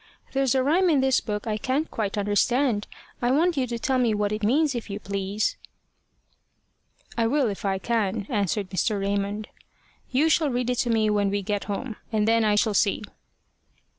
"There's a rhyme in this book I can't quite understand. I want you to tell me what it means, if you please." "I will if I can," answered Mr. Raymond. "You shall read it to me when we get home, and then I shall see."